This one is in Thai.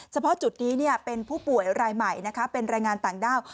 เฉพาะจุดนี้เป็นผู้ป่วยรายใหม่นะคะเป็นแรงงานต่างด้าว